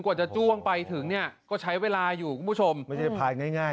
กว่าจะจ้วงไปถึงเนี่ยก็ใช้เวลาอยู่คุณผู้ชมไม่ใช่พายง่าย